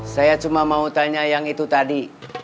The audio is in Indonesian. saya cuma mau tanya yang itu tadi